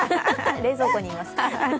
冷蔵庫にいます。